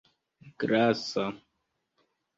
grasa